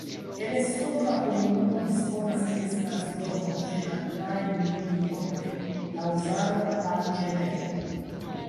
En sudo la komunumo disponas pri stacidomo ĉe la trajnlinio de Laŭzano al Ĝenevo.